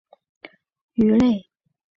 双带天竺鲷为天竺鲷科天竺鲷属的鱼类。